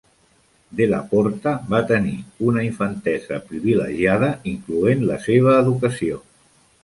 Della Porta va tenir una infantesa privilegiada incloent la seva educació.